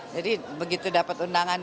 jadi begitu dapat undangan